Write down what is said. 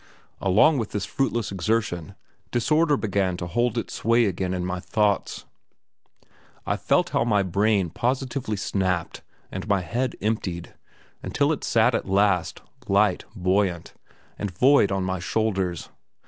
Along with this fruitless exertion, disorder began to hold its sway again in my thoughts. I felt how my brain positively snapped and my head emptied, until it sat at last, light, buoyant, and void on my shoulders.